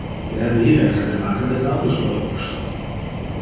We hebben hier echter te maken met een ander soort overschot.